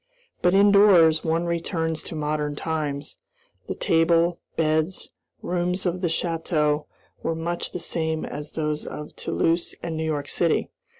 But, indoors, one returns to modern times. The table, beds, rooms of the château were much the same as those of Toulouse and New York city.